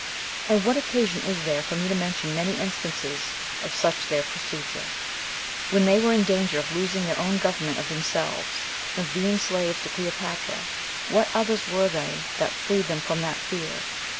And what occasion is there for me to mention many instances of such their procedure? When they were in danger of losing their own government of themselves, and of being slaves to Cleopatra, what others were they that freed them from that fear?